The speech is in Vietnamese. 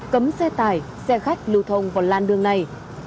cấm xe tải xe khách lưu thông vào lan đường này